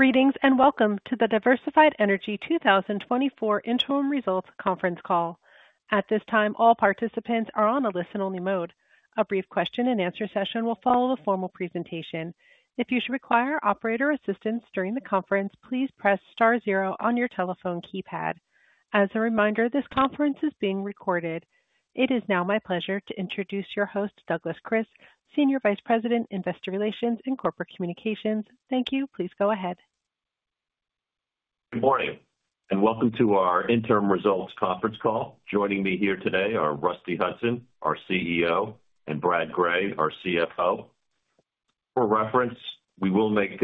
Greetings, and welcome to the Diversified Energy 2024 interim results conference call. At this time, all participants are on a listen-only mode. A brief question-and-answer session will follow the formal presentation. If you should require operator assistance during the conference, please press star zero on your telephone keypad. As a reminder, this conference is being recorded. It is now my pleasure to introduce your host, Douglas Kris, Senior Vice President, Investor Relations and Corporate Communications. Thank you. Please go ahead. Good morning, and welcome to our interim results conference call. Joining me here today are Rusty Hutson, our CEO, and Brad Gray, our CFO. For reference, we will make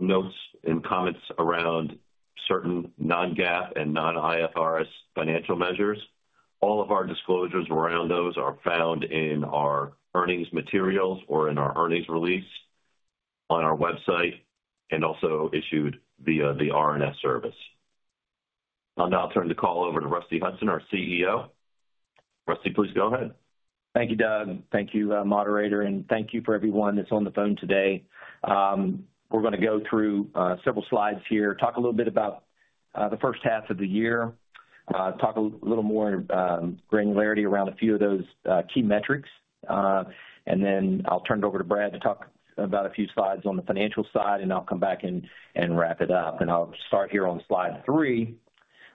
notes and comments around certain non-GAAP and non-IFRS financial measures. All of our disclosures around those are found in our earnings materials or in our earnings release on our website, and also issued via the RNS service. I'll now turn the call over to Rusty Hutson, our CEO. Rusty, please go ahead. Thank you, Doug. Thank you, moderator, and thank you for everyone that's on the phone today. We're going to go through several slides here, talk a little bit about the first half of the year, talk a little more granularity around a few of those key metrics. And then I'll turn it over to Brad to talk about a few slides on the financial side, and I'll come back and wrap it up. And I'll start here on slide three,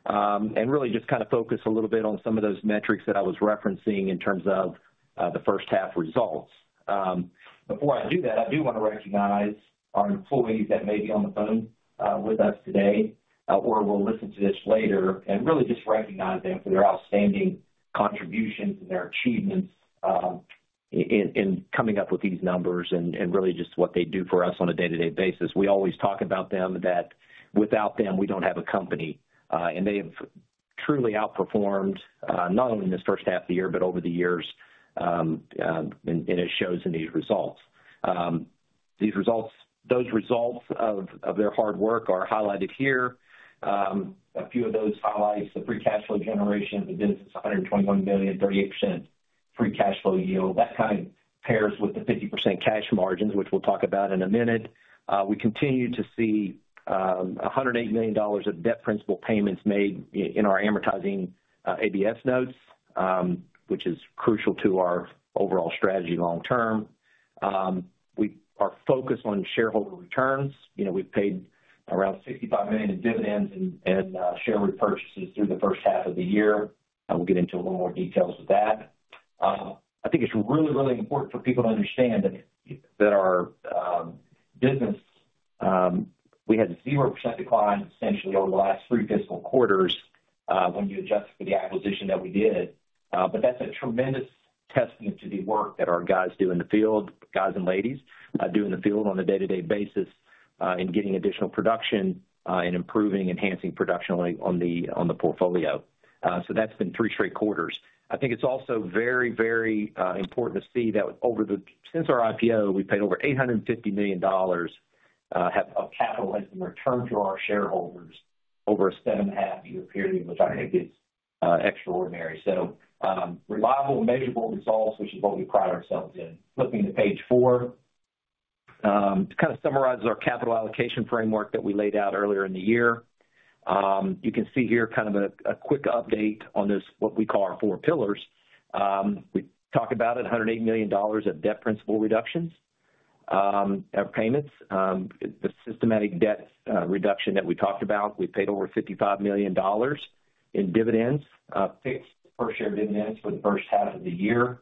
and really just kind of focus a little bit on some of those metrics that I was referencing in terms of the first half results. Before I do that, I do want to recognize our employees that may be on the phone with us today, or will listen to this later, and really just recognize them for their outstanding contributions and their achievements, in coming up with these numbers and really just what they do for us on a day-to-day basis. We always talk about them, that without them, we don't have a company, and they have truly outperformed, not only in this first half of the year, but over the years, and it shows in these results. These results, those results of their hard work are highlighted here. A few of those highlights, the free cash flow generation, again, this is $121 million, 38% free cash flow yield. That kind of pairs with the 50% cash margins, which we'll talk about in a minute. We continue to see $108 million of debt principal payments made in our amortizing ABS notes, which is crucial to our overall strategy long term. We are focused on shareholder returns. You know, we've paid around $65 million in dividends and share repurchases through the first half of the year. I will get into a little more details of that. I think it's really, really important for people to understand that our business we had a 0% decline essentially over the last three fiscal quarters, when you adjust for the acquisition that we did. But that's a tremendous testament to the work that our guys and ladies do in the field on a day-to-day basis, in getting additional production, and improving, enhancing production on the portfolio. So that's been three straight quarters. I think it's also very, very important to see that since our IPO, we've paid over $850 million of capital has been returned to our shareholders over a 7.5-year period, which I think is extraordinary. So reliable and measurable results, which is what we pride ourselves in. Flipping to page four, to kind of summarize our capital allocation framework that we laid out earlier in the year. You can see here kind of a quick update on this, what we call our four pillars. We talk about it, $108 million of debt principal reductions of payments. The systematic debt reduction that we talked about, we paid over $55 million in dividends, fixed per share dividends for the first half of the year.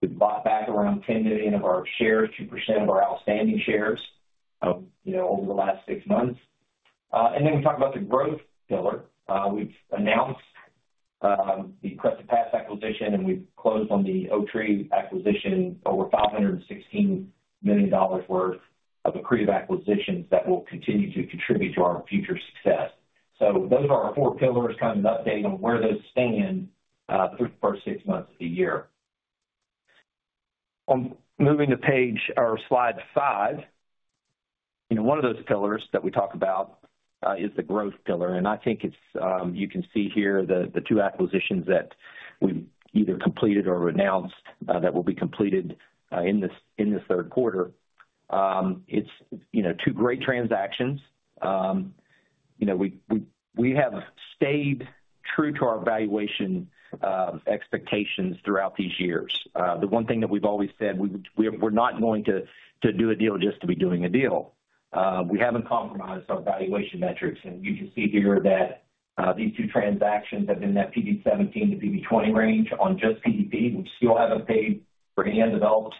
We bought back around 10 million of our shares, 2% of our outstanding shares, you know, over the last six months. And then we talk about the growth pillar. We've announced the Crescent Pass acquisition, and we've closed on the Oaktree acquisition, over $516 million worth of accretive acquisitions that will continue to contribute to our future success. So those are our four pillars, kind of an update on where those stand through the first six months of the year. Moving to page or slide five. You know, one of those pillars that we talk about is the growth pillar, and I think it's you can see here the two acquisitions that we've either completed or announced that will be completed in this third quarter. You know, two great transactions. You know, we have stayed true to our valuation expectations throughout these years. The one thing that we've always said, we're not going to do a deal just to be doing a deal. We haven't compromised our valuation metrics, and you can see here that these two transactions have been in that PV-17 to PV-20 range on just PDP. We still haven't paid for any undeveloped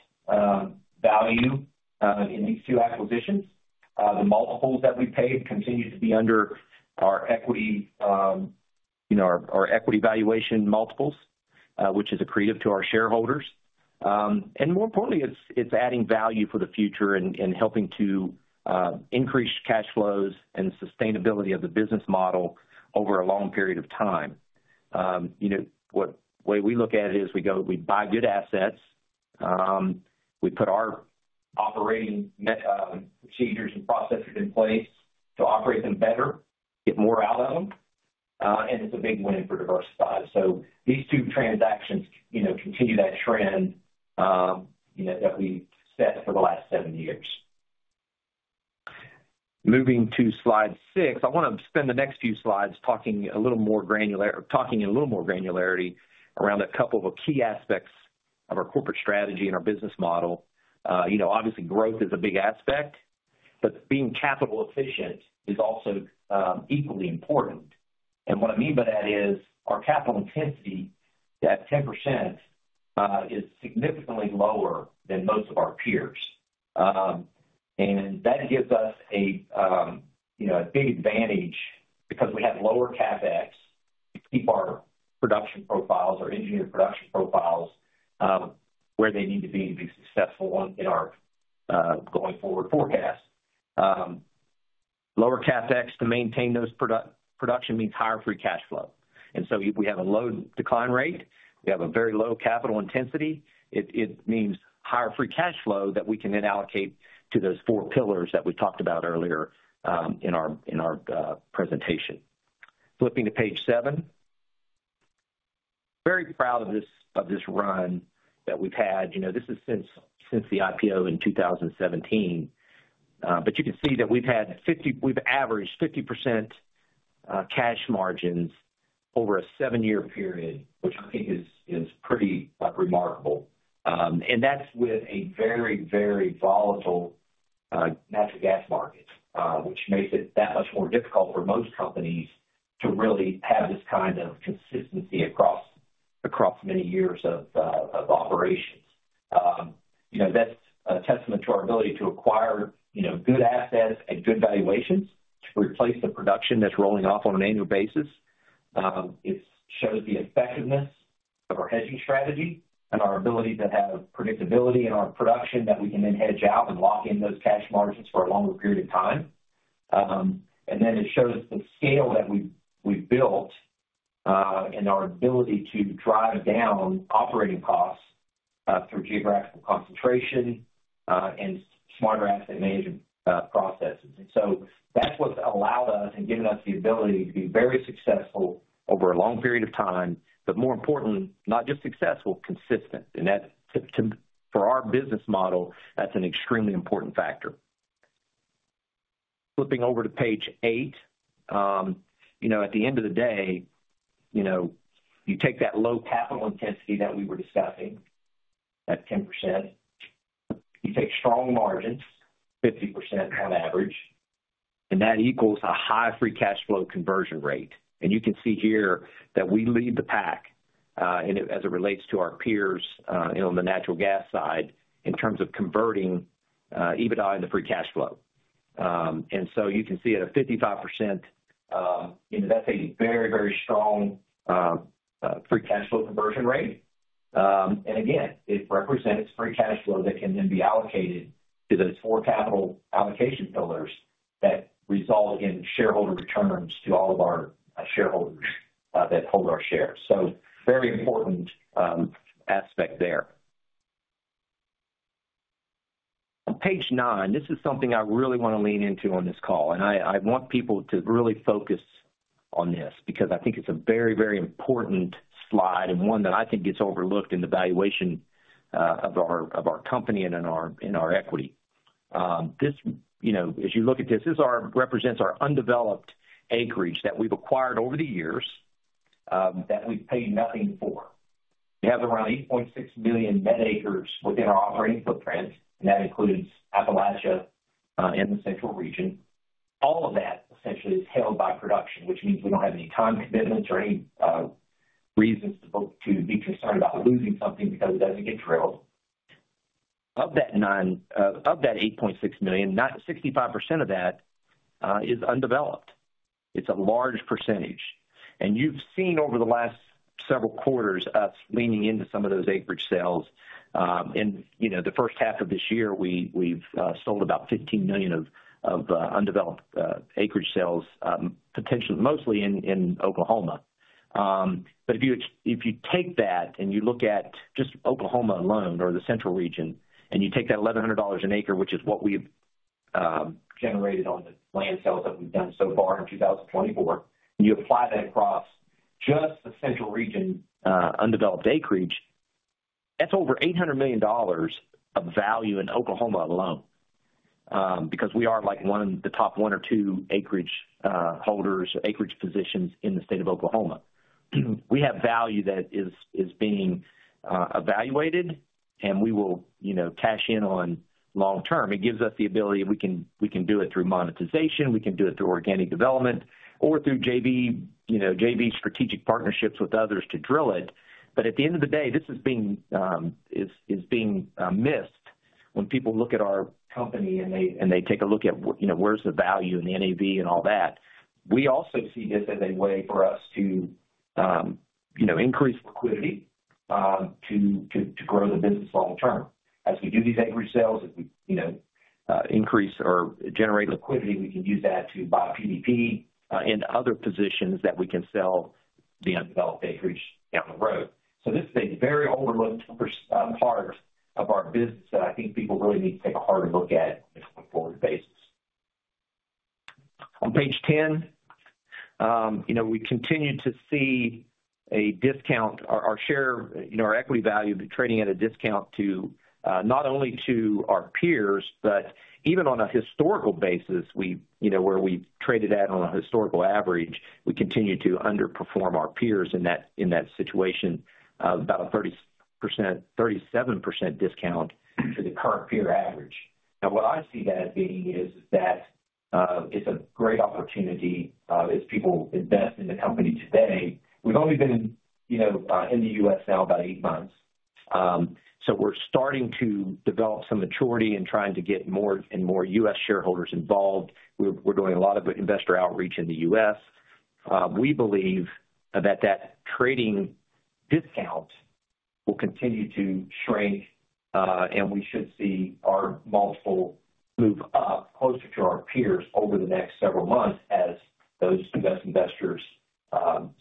value in these two acquisitions. The multiples that we paid continues to be under our equity, you know, our equity valuation multiples, which is accretive to our shareholders. And more importantly, it's, it's adding value for the future and, and helping to, increase cash flows and sustainability of the business model over a long period of time. You know, the way we look at it is we go, we buy good assets, we put our operating procedures and processes in place to operate them better, get more out of them, and it's a big win for Diversified. So these two transactions, you know, continue that trend, you know, that we've set for the last seven years. Moving to slide six, I want to spend the next few slides talking a little more granular, talking in a little more granularity around a couple of key aspects of our corporate strategy and our business model. You know, obviously, growth is a big aspect, but being capital efficient is also equally important. And what I mean by that is our capital intensity, that 10%, is significantly lower than most of our peers. And that gives us a, you know, a big advantage because we have lower CapEx to keep our production profiles, our engineered production profiles, where they need to be to be successful in our going forward forecast. Lower CapEx to maintain those production means higher free cash flow. So if we have a low decline rate, we have a very low capital intensity, it means higher free cash flow that we can then allocate to those four pillars that we talked about earlier, in our presentation. Flipping to page seven. Very proud of this run that we've had. You know, this is since the IPO in 2017. But you can see that we've averaged 50% cash margins over a 7-year period, which I think is pretty remarkable. And that's with a very, very volatile natural gas market, which makes it that much more difficult for most companies to really have this kind of consistency across many years of operations. You know, that's a testament to our ability to acquire, you know, good assets at good valuations, to replace the production that's rolling off on an annual basis. It shows the effectiveness of our hedging strategy and our ability to have predictability in our production that we can then hedge out and lock in those cash margins for a longer period of time. And then it shows the scale that we've built, and our ability to drive down operating costs through geographical concentration and smarter asset management processes. And so that's what's allowed us and given us the ability to be very successful over a long period of time, but more importantly, not just successful, consistent. And that, too, for our business model, that's an extremely important factor. Flipping over to page eight. You know, at the end of the day, you know, you take that low capital intensity that we were discussing, that 10%, you take strong margins, 50% on average, and that equals a high free cash flow conversion rate. You can see here that we lead the pack, and as it relates to our peers, on the natural gas side, in terms of converting, EBITDA into free cash flow. And so you can see at a 55%, you know, that's a very, very strong, free cash flow conversion rate. And again, it represents free cash flow that can then be allocated to those four capital allocation pillars that result in shareholder returns to all of our shareholders, that hold our shares. So very important aspect there. On page nine, this is something I really want to lean into on this call, and I want people to really focus on this because I think it's a very, very important slide and one that I think gets overlooked in the valuation of our company and in our equity. You know, as you look at this, this represents our undeveloped acreage that we've acquired over the years that we've paid nothing for. We have around 8.6 million net acres within our operating footprint, and that includes Appalachia and the Central Region. All of that essentially is held by production, which means we don't have any time commitments or any reasons to be concerned about losing something because it doesn't get drilled. Of that $8.6 million, 65% of that is undeveloped. It's a large percentage, and you've seen over the last several quarters us leaning into some of those acreage sales. You know, the first half of this year, we've sold about $15 million of undeveloped acreage sales, potentially, mostly in Oklahoma. But if you take that and you look at just Oklahoma alone or the Central Region, and you take that $1,100 an acre, which is what we've generated on the land sales that we've done so far in 2024, and you apply that across just the Central Region, undeveloped acreage, that's over $800 million of value in Oklahoma alone, because we are, like, one, the top one or two acreage holders, acreage positions in the state of Oklahoma. We have value that is being evaluated, and we will, you know, cash in on long term. It gives us the ability, we can do it through monetization, we can do it through organic development or through JV, you know, JV strategic partnerships with others to drill it. But at the end of the day, this is being missed when people look at our company and they take a look at, you know, where's the value in the NAV and all that. We also see this as a way for us to, you know, increase liquidity, to grow the business long term. As we do these acreage sales, as we, you know, increase or generate liquidity, we can use that to buy PDP into other positions that we can sell the undeveloped acreage down the road. So this is a very overlooked part of our business that I think people really need to take a harder look at on a going-forward basis. On page 10, you know, we continue to see a discount. Our share, you know, our equity value trading at a discount to not only to our peers, but even on a historical basis, you know, where we've traded at on a historical average, we continue to underperform our peers in that situation of about a 30%-37% discount to the current peer average. Now, what I see that as being is that it's a great opportunity as people invest in the company today. We've only been, you know, in the U.S. now about 8 months. So we're starting to develop some maturity in trying to get more and more U.S. shareholders involved. We're doing a lot of investor outreach in the U.S. We believe that trading discount will continue to shrink, and we should see our multiple move up closer to our peers over the next several months as those investors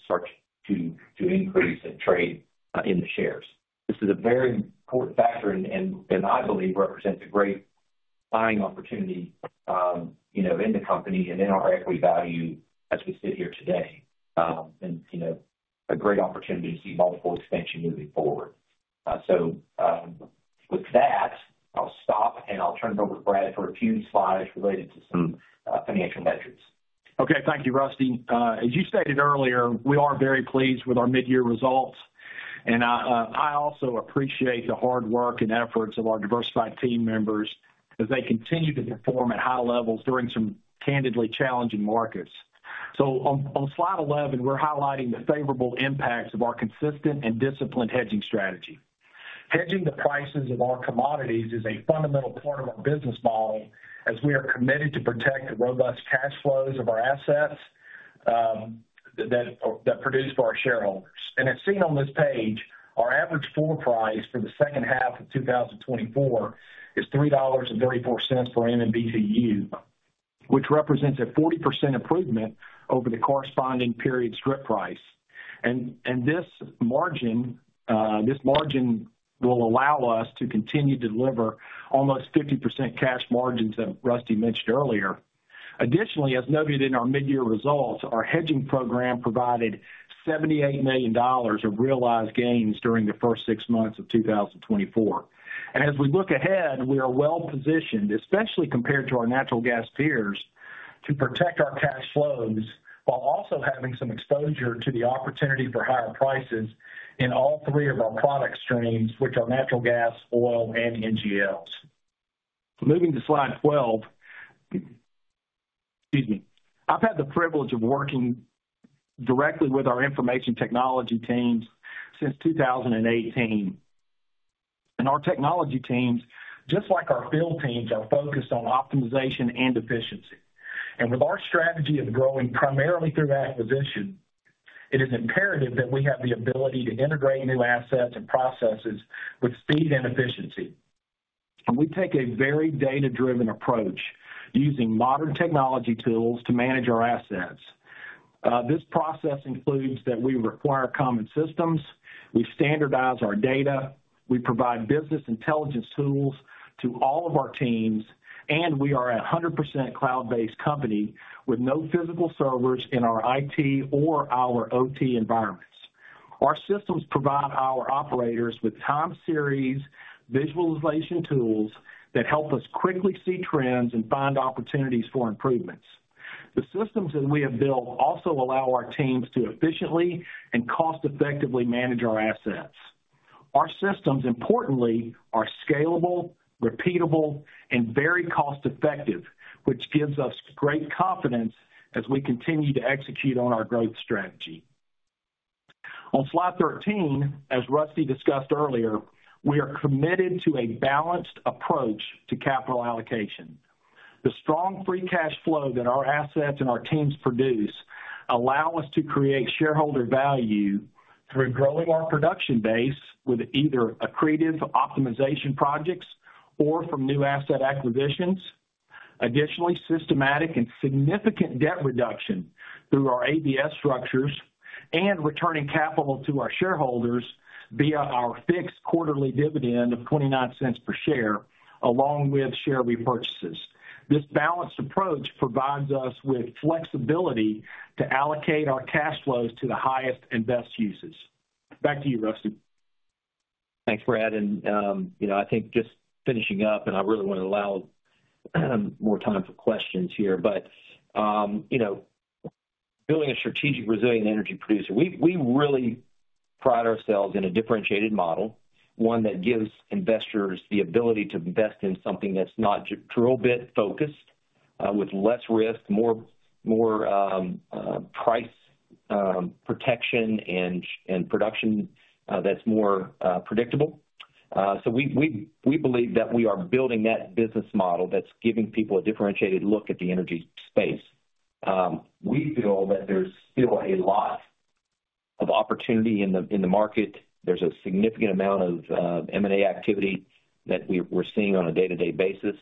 start to increase and trade in the shares. This is a very important factor, and I believe represents a great buying opportunity, you know, in the company and in our equity value as we sit here today. And, you know, a great opportunity to see multiple expansion moving forward. So, with that, I'll stop, and I'll turn it over to Brad for a few slides related to some financial measures. Okay. Thank you, Rusty. As you stated earlier, we are very pleased with our mid-year results, and I also appreciate the hard work and efforts of our Diversified team members as they continue to perform at high levels during some candidly challenging markets. So on slide 11, we're highlighting the favorable impacts of our consistent and disciplined hedging strategy. Hedging the prices of our commodities is a fundamental part of our business model, as we are committed to protect the robust cash flows of our assets that produce for our shareholders. And as seen on this page, our average forward price for the second half of 2024 is $3.34 per MMBtu, which represents a 40% improvement over the corresponding period strip price. This margin, this margin will allow us to continue to deliver almost 50% cash margins that Rusty mentioned earlier. Additionally, as noted in our mid-year results, our hedging program provided $78 million of realized gains during the first six months of 2024. As we look ahead, we are well positioned, especially compared to our natural gas peers, to protect our cash flows while also having some exposure to the opportunity for higher prices in all three of our product streams, which are natural gas, oil, and NGLs. Moving to slide 12. Excuse me. I've had the privilege of working directly with our information technology teams since 2018, and our technology teams, just like our field teams, are focused on optimization and efficiency. With our strategy of growing primarily through acquisition, it is imperative that we have the ability to integrate new assets and processes with speed and efficiency. We take a very data-driven approach, using modern technology tools to manage our assets. This process includes that we require common systems, we standardize our data, we provide business intelligence tools to all of our teams, and we are 100% cloud-based company with no physical servers in our IT or our OT environments. Our systems provide our operators with time series visualization tools that help us quickly see trends and find opportunities for improvements. The systems that we have built also allow our teams to efficiently and cost-effectively manage our assets. Our systems, importantly, are scalable, repeatable, and very cost effective, which gives us great confidence as we continue to execute on our growth strategy. On slide 13, as Rusty discussed earlier, we are committed to a balanced approach to capital allocation. The strong free cash flow that our assets and our teams produce allow us to create shareholder value through growing our production base with either accretive optimization projects or from new asset acquisitions. Additionally, systematic and significant debt reduction through our ABS structures and returning capital to our shareholders via our fixed quarterly dividend of $0.29 per share, along with share repurchases. This balanced approach provides us with flexibility to allocate our cash flows to the highest and best uses. Back to you, Rusty. Thanks, Brad. You know, I think just finishing up, and I really want to allow more time for questions here, but you know, building a strategic, resilient energy producer, we really pride ourselves in a differentiated model, one that gives investors the ability to invest in something that's not drill bit focused, with less risk, more price protection and production that's more predictable. So we believe that we are building that business model that's giving people a differentiated look at the energy space. We feel that there's still a lot of opportunity in the market. There's a significant amount of M&A activity that we're seeing on a day-to-day basis.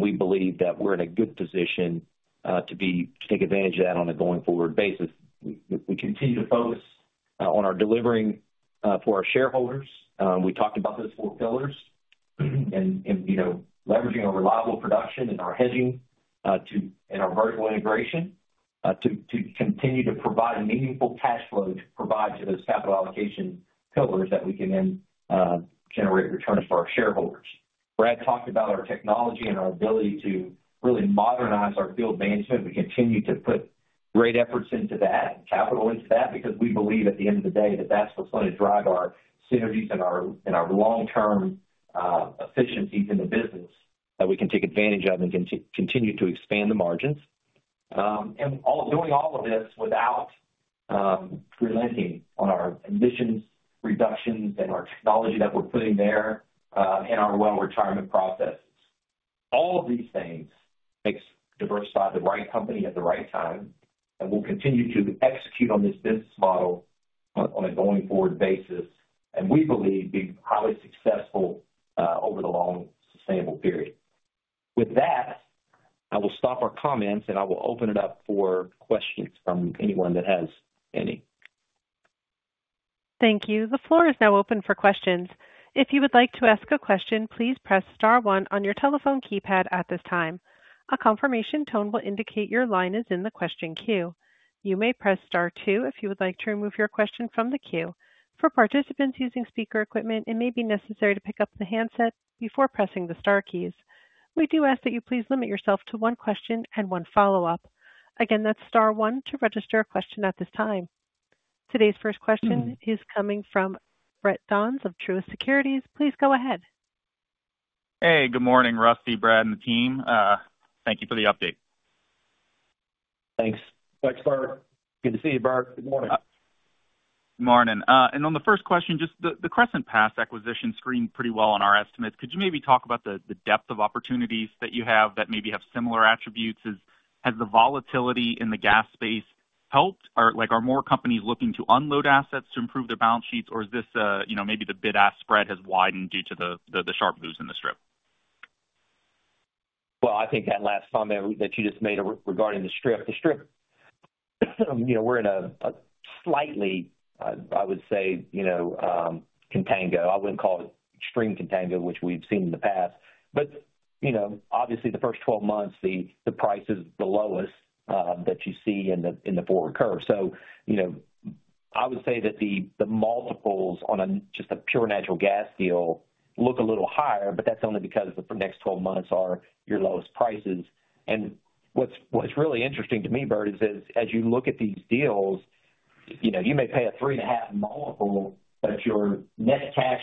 We believe that we're in a good position to take advantage of that on a going-forward basis. We continue to focus on our delivering for our shareholders. We talked about those four pillars, and you know, leveraging our reliable production and our hedging and our vertical integration to continue to provide a meaningful cash flow to provide to those capital allocation pillars that we can then generate returns for our shareholders. Brad talked about our technology and our ability to really modernize our field management. We continue to put great efforts into that and capital into that, because we believe at the end of the day, that that's what's going to drive our synergies and our, and our long-term efficiencies in the business, that we can take advantage of and continue to expand the margins. And doing all of this without relenting on our emissions reductions and our technology that we're putting there, and our well retirement processes. All of these things makes Diversified the right company at the right time, and we'll continue to execute on this business model on a going-forward basis, and we believe be highly successful over the long, sustainable period. With that, I will stop our comments, and I will open it up for questions from anyone that has any. Thank you. The floor is now open for questions. If you would like to ask a question, please press star one on your telephone keypad at this time. A confirmation tone will indicate your line is in the question queue. You may press star two if you would like to remove your question from the queue. For participants using speaker equipment, it may be necessary to pick up the handset before pressing the star keys. We do ask that you please limit yourself to one question and one follow-up. Again, that's star one to register a question at this time. Today's first question is coming from Bert Donnes of Truist Securities. Please go ahead. Hey, good morning, Rusty, Brad, and the team. Thank you for the update. Thanks. Thanks, Bert. Good to see you, Bert. Good morning. Morning. And on the first question, just the, the Crescent Pass acquisition screened pretty well on our estimates. Could you maybe talk about the, the depth of opportunities that you have that maybe have similar attributes? Has the volatility in the gas space helped? Or, like, are more companies looking to unload assets to improve their balance sheets, or is this, you know, maybe the bid-ask spread has widened due to the, the sharp moves in the strip? Well, I think that last comment that you just made regarding the strip. The strip, you know, we're in a, a slightly, I would say, you know, contango. I wouldn't call it extreme contango, which we've seen in the past, but, you know, obviously, the first 12 months, the, the price is the lowest, that you see in the, in the forward curve. So, you know, I would say that the, the multiples on a just a pure natural gas deal look a little higher, but that's only because the next 12 months are your lowest prices. What's really interesting to me, Bert, is as you look at these deals, you know, you may pay a 3.5 multiple, but your net cash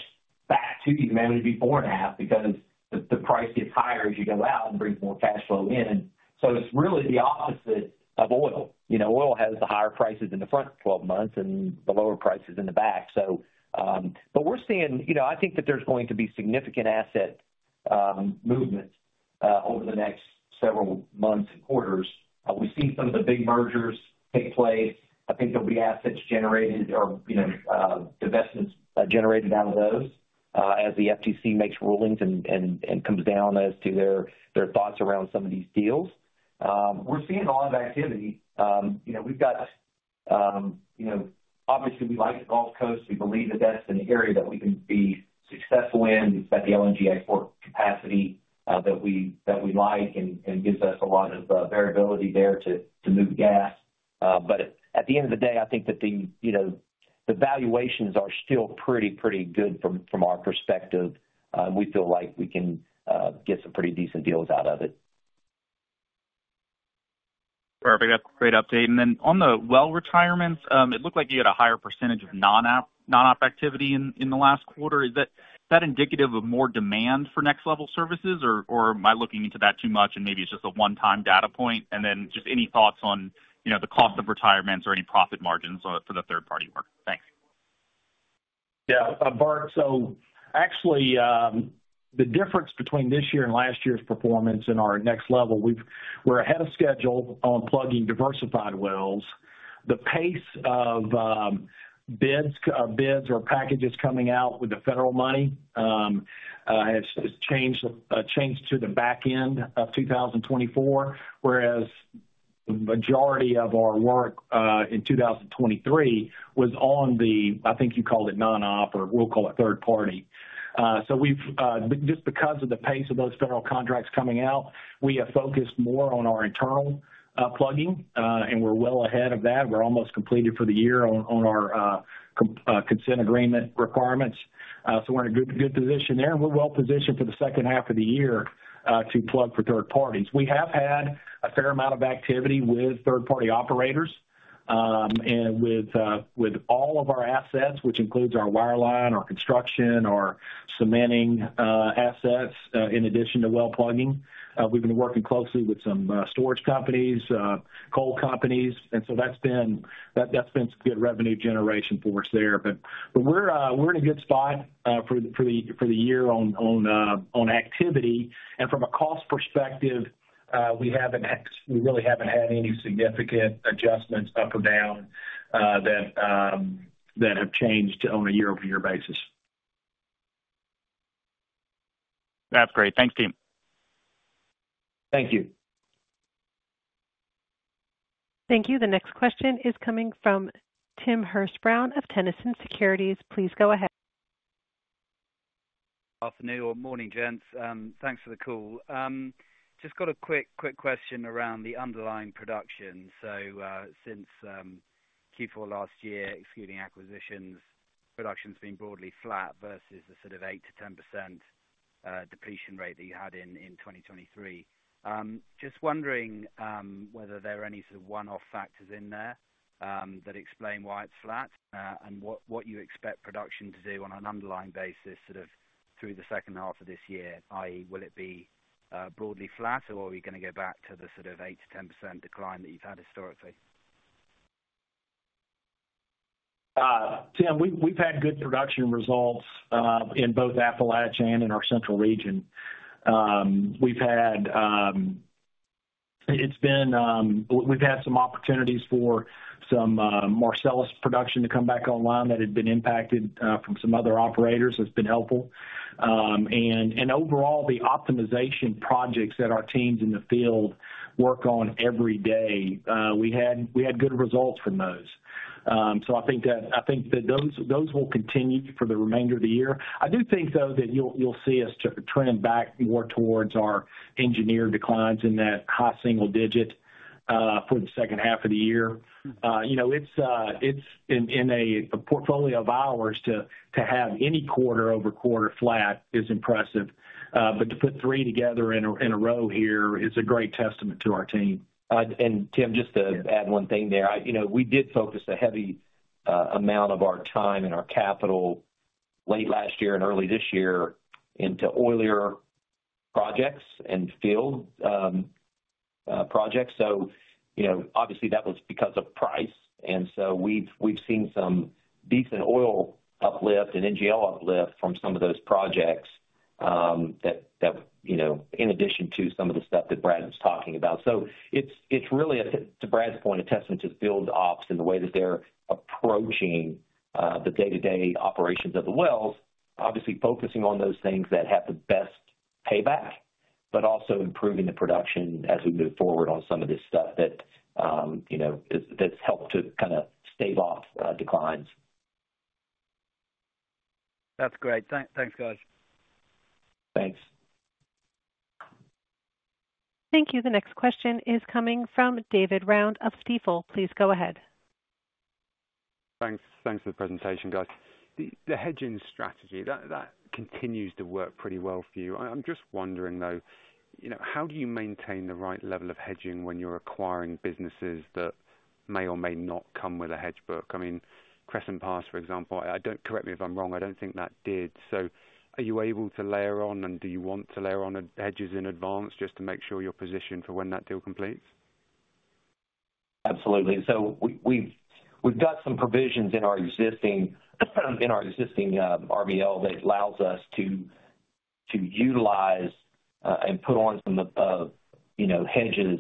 back to you may only be 4.5 because the price gets higher as you go out and brings more cash flow in. So it's really the opposite of oil. You know, oil has the higher prices in the front 12 months and the lower prices in the back. So, but we're seeing. You know, I think that there's going to be significant asset movement over the next several months and quarters. We've seen some of the big mergers take place. I think there'll be assets generated or, you know, divestments generated out of those, as the FTC makes rulings and comes down as to their thoughts around some of these deals. We're seeing a lot of activity. You know, we've got, you know, obviously, we like the Gulf Coast. We believe that that's an area that we can be successful in. We've got the LNG export capacity that we like and gives us a lot of variability there to move gas. But at the end of the day, I think that the, you know, the valuations are still pretty, pretty good from our perspective. We feel like we can get some pretty decent deals out of it. Perfect. That's a great update. And then on the well retirements, it looked like you had a higher percentage of non-op activity in the last quarter. Is that indicative of more demand for Next LVL services, or am I looking into that too much and maybe it's just a one-time data point? And then just any thoughts on, you know, the cost of retirements or any profit margins on it for the third-party work? Thanks. Yeah, Bert. So actually, the difference between this year and last year's performance in our Next LVL, we're ahead of schedule on plugging Diversified wells. The pace of bids or packages coming out with the federal money has changed to the back end of 2024, whereas majority of our work in 2023 was on the, I think you called it non-op, or we'll call it third party. So we've, just because of the pace of those federal contracts coming out, we have focused more on our internal plugging, and we're well ahead of that. We're almost completed for the year on our consent agreement requirements. So we're in a good, good position there, and we're well positioned for the second half of the year to plug for third parties. We have had a fair amount of activity with third-party operators, and with all of our assets, which includes our wireline, our construction, our cementing assets, in addition to well plugging. We've been working closely with some storage companies, coal companies, and so that's been some good revenue generation for us there. But we're in a good spot for the year on activity. And from a cost perspective, we really haven't had any significant adjustments up or down that have changed on a year-over-year basis. That's great. Thanks, team. Thank you. Thank you. The next question is coming from Tim Hurst-Brown of Tennyson Securities. Please go ahead. Afternoon or morning, gents. Thanks for the call. Just got a quick, quick question around the underlying production. So, since Q4 last year, excluding acquisitions, production's been broadly flat versus the sort of 8%-10% depletion rate that you had in 2023. Just wondering whether there are any sort of one-off factors in there that explain why it's flat, and what, what you expect production to do on an underlying basis, sort of through the second half of this year, i.e., will it be broadly flat, or are we gonna go back to the sort of 8%-10% decline that you've had historically? Tim, we've had good production results in both Appalachia and in our Central Region. We've had some opportunities for some Marcellus production to come back online that had been impacted from some other operators, has been helpful. And overall, the optimization projects that our teams in the field work on every day, we had good results from those. So I think that those will continue for the remainder of the year. I do think, though, that you'll see us trending back more towards our engineered declines in that high single digit for the second half of the year. You know, it's in a portfolio of ours to have any quarter-over-quarter flat is impressive, but to put three together in a row here is a great testament to our team. And Tim, just to add one thing there. You know, we did focus a heavy amount of our time and our capital late last year and early this year into oilier projects and field projects. So, you know, obviously, that was because of price, and so we've, we've seen some decent oil uplift and NGL uplift from some of those projects, that, that, you know, in addition to some of the stuff that Brad was talking about. So it's, it's really, to Brad's point, a testament to the field ops and the way that they're approaching the day-to-day operations of the wells, obviously focusing on those things that have the best payback, but also improving the production as we move forward on some of this stuff that, you know, that's helped to kind of stave off declines. That's great. Thanks, guys. Thanks. Thank you. The next question is coming from David Round of Stifel. Please go ahead. Thanks. Thanks for the presentation, guys. The hedging strategy that continues to work pretty well for you. I'm just wondering, though, you know, how do you maintain the right level of hedging when you're acquiring businesses that may or may not come with a hedge book? I mean, Crescent Pass, for example, I don't. Correct me if I'm wrong, I don't think that did. So are you able to layer on, and do you want to layer on hedges in advance just to make sure you're positioned for when that deal completes? Absolutely. So we've got some provisions in our existing RBL that allows us to utilize and put on some of you know hedges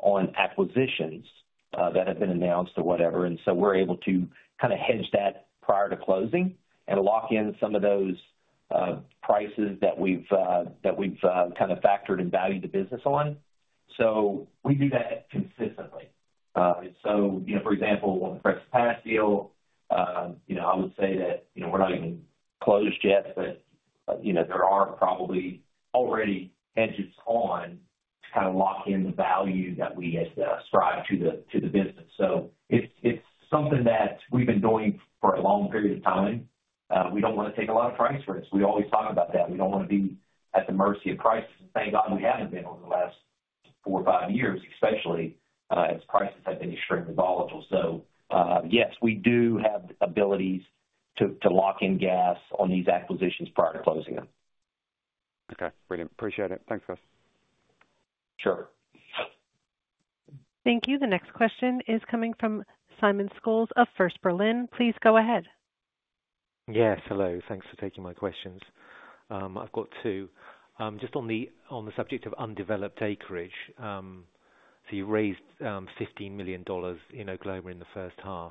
on acquisitions that have been announced or whatever, and so we're able to kind of hedge that prior to closing and lock in some of those prices that we've kind of factored and valued the business on. So we do that consistently. So you know, for example, on the Crescent Pass deal, you know, I would say that you know, we're not even closed yet, but you know, there are probably already hedges on to kind of lock in the value that we ascribe to the business. So it's something that we've been doing for a long period of time. We don't want to take a lot of price risks. We always talk about that. We don't want to be at the mercy of prices. Thank God, we haven't been over the last four or five years, especially, as prices have been extremely volatile. So, yes, we do have abilities to, to lock in gas on these acquisitions prior to closing them. Okay, brilliant. Appreciate it. Thanks, guys. Sure. Thank you. The next question is coming from Simon Scholes of First Berlin. Please go ahead. Yes, hello. Thanks for taking my questions. I've got two. Just on the subject of undeveloped acreage. So you raised $15 million in Oklahoma in the first half.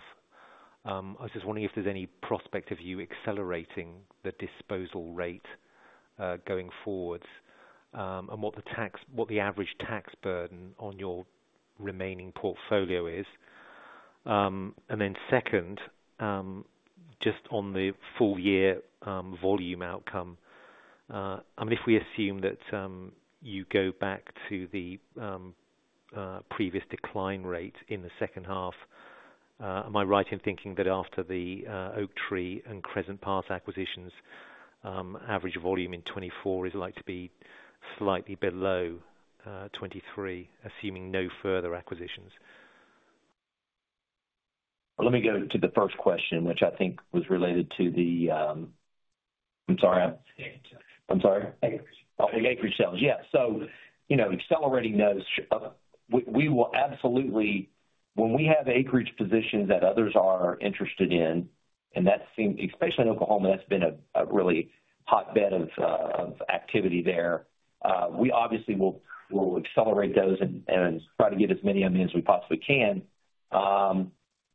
I was just wondering if there's any prospect of you accelerating the disposal rate, going forward, and what the average tax burden on your remaining portfolio is? And then second, just on the full year volume outcome. I mean, if we assume that you go back to the previous decline rate in the second half, am I right in thinking that after the Oaktree and Crescent Pass acquisitions, average volume in 2024 is likely to be slightly below 2023, assuming no further acquisitions? Let me go to the first question, which I think was related to the, I'm sorry? Acres. I'm sorry? Acres. Oh, the acreage sales. Yeah. So, you know, accelerating those, we will absolutely. When we have acreage positions that others are interested in. And that seems, especially in Oklahoma, that's been a really hotbed of activity there. We obviously will accelerate those and try to get as many of them as we possibly can.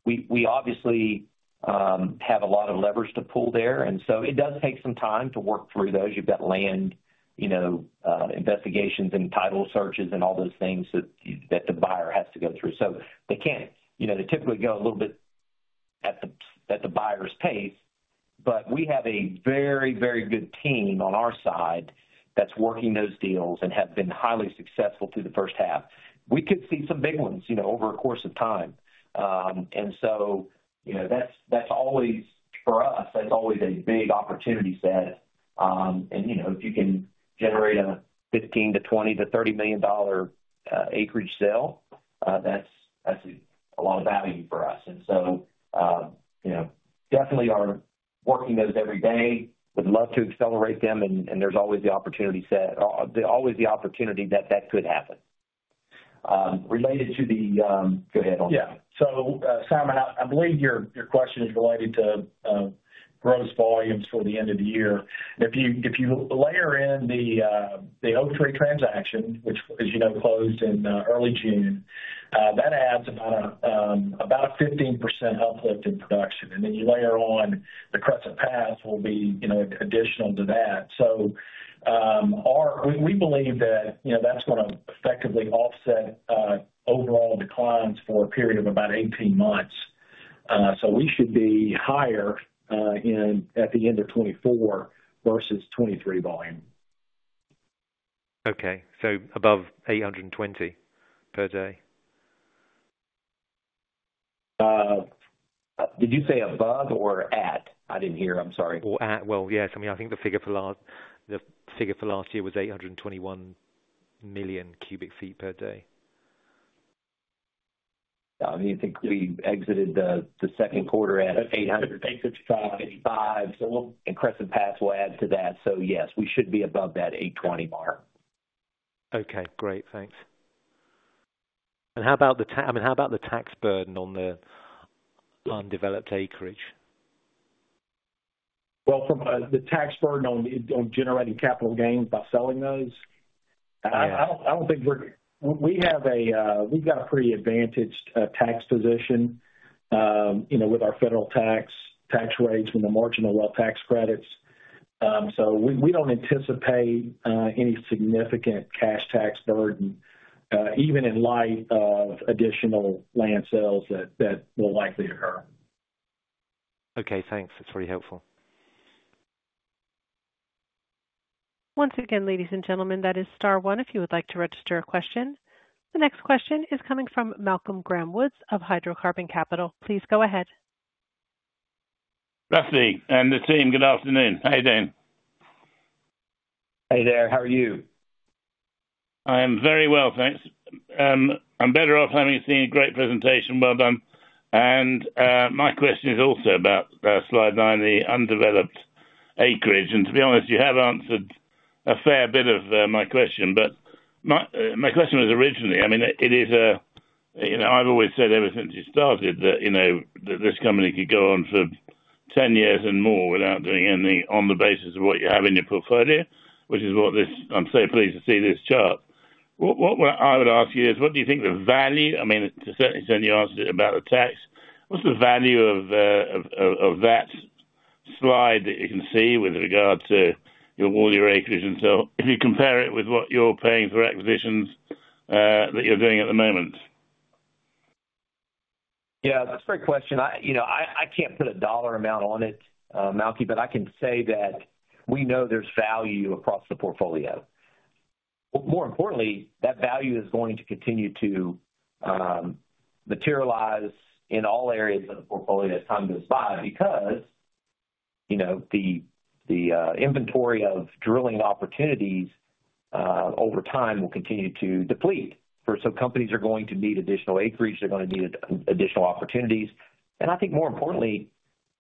We obviously have a lot of levers to pull there, and so it does take some time to work through those. You've got land, you know, investigations and title searches and all those things that the buyer has to go through. So they can't, you know, they typically go a little bit at the buyer's pace, but we have a very, very good team on our side that's working those deals and have been highly successful through the first half. We could see some big ones, you know, over a course of time. And so, you know, that's, that's always, for us, that's always a big opportunity set. And, you know, if you can generate a $15 million to $20 million to $30 million acreage sale, that's, that's a lot of value for us. And so, you know, definitely are working those every day. Would love to accelerate them, and, and there's always the opportunity set. Always the opportunity that, that could happen. Related to the... Go ahead. Yeah. So, Simon, I believe your question is related to growth volumes for the end of the year. If you layer in the Oaktree transaction, which, as you know, closed in early June, that adds about a 15% uplift in production, and then you layer on the Crescent Pass, which will be, you know, additional to that. So, we believe that, you know, that's gonna effectively offset overall declines for a period of about 18 months. So we should be higher, in at the end of 2024 versus 2023 volume. Okay. So above 820 million cubic feet per day? Did you say above or at? I didn't hear. I'm sorry. Well, yes, I mean, I think the figure for last, the figure for last year was 821 million cubic feet per day. Yeah. I think we exited the second quarter at 855 million cubic feet per day, and Crescent Pass will add to that. So yes, we should be above that 820 million cubic feet per daymark. Okay, great. Thanks. And how about the—I mean, how about the tax burden on the undeveloped acreage? Well, from the tax burden on, on generating capital gains by selling those? Yeah. I don't think we have a pretty advantaged tax position, you know, with our federal tax rates and the marginal well tax credits. So we don't anticipate any significant cash tax burden, even in light of additional land sales that will likely occur. Okay, thanks. That's very helpful. Once again, ladies and gentlemen, that is star one if you would like to register a question. The next question is coming from Malcolm Graham-Wood of Hydrocarbon Capital. Please go ahead. Rusty and the team, good afternoon. How are you doing? Hey there. How are you? I am very well, thanks. I'm better off having seen a great presentation. Well done. And, my question is also about, slide 9, the undeveloped acreage. And to be honest, you have answered a fair bit of, my question, but my, my question was originally, I mean, it is a, you know, I've always said ever since you started that, you know, that this company could go on for 10 years and more without doing anything on the basis of what you have in your portfolio, which is what this. I'm so pleased to see this chart. What, what I would ask you is, what do you think the value, I mean, certainly you answered it about the tax. What's the value of, of, of, that slide that you can see with regard to your, all your acreage? So if you compare it with what you're paying for acquisitions that you're doing at the moment. Yeah, that's a great question. You know, I can't put a dollar amount on it, Malcolm, but I can say that we know there's value across the portfolio. More importantly, that value is going to continue to materialize in all areas of the portfolio as time goes by, because, you know, the inventory of drilling opportunities over time will continue to deplete. First, some companies are going to need additional acreage, they're gonna need additional opportunities. And I think more importantly,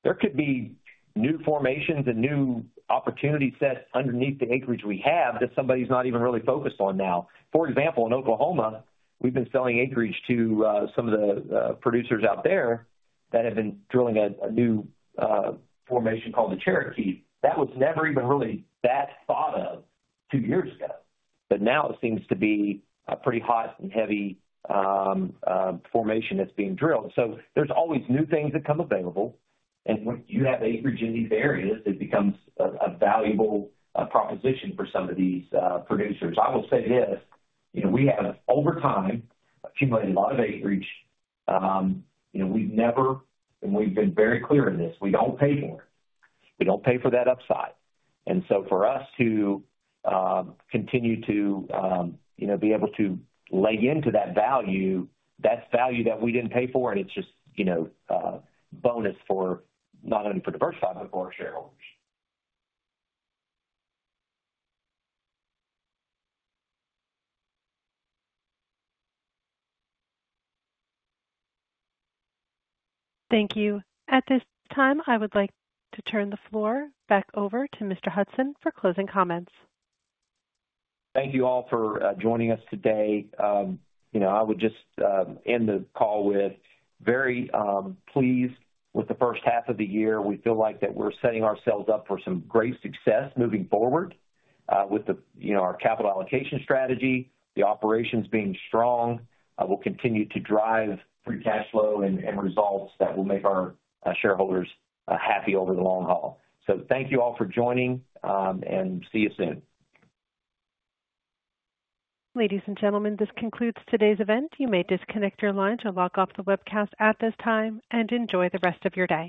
there could be new formations and new opportunity sets underneath the acreage we have that somebody's not even really focused on now. For example, in Oklahoma, we've been selling acreage to some of the producers out there that have been drilling a new formation called the Cherokee. That was never even really that thought of two years ago, but now it seems to be a pretty hot and heavy formation that's being drilled. So there's always new things that come available, and when you have acreage in these areas, it becomes a valuable proposition for some of these producers. I will say this, you know, we have, over time, accumulated a lot of acreage. You know, we've never, and we've been very clear in this, we don't pay for it. We don't pay for that upside. And so for us to continue to, you know, be able to lay into that value, that's value that we didn't pay for, and it's just, you know, bonus for not only for Diversified but for our shareholders. Thank you. At this time, I would like to turn the floor back over to Mr. Hutson for closing comments. Thank you all for joining us today. You know, I would just end the call with very pleased with the first half of the year. We feel like that we're setting ourselves up for some great success moving forward with the, you know, our capital allocation strategy, the operations being strong, will continue to drive free cash flow and, and results that will make our shareholders happy over the long haul. So thank you all for joining, and see you soon. Ladies and gentlemen, this concludes today's event. You may disconnect your line to log off the webcast at this time, and enjoy the rest of your day.